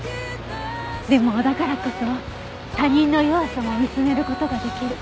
でもだからこそ他人の弱さも見つめる事が出来る。